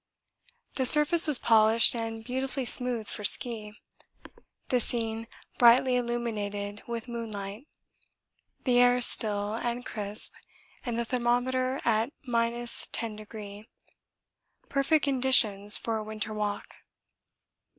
The surface was polished and beautifully smooth for ski, the scene brightly illuminated with moonlight, the air still and crisp, and the thermometer at 10°. Perfect conditions for a winter walk.